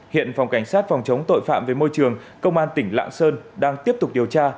hiện phòng cảnh sát phòng chống tội phạm với môi trường công an tỉnh lạng sơn đang tiếp tục điều tra